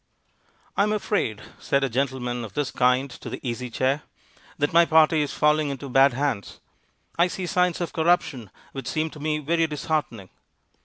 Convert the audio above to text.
"I am afraid," said a gentleman of this kind to the Easy Chair, "that my party is falling into bad hands. I see signs of corruption which seem to me very disheartening."